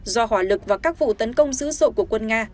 do hỏa lực và các vụ tấn công dữ dội của quân nga